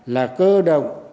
là cơ độc